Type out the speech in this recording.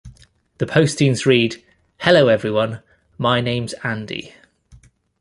The postings read, Hello Everyone, my name's Andy.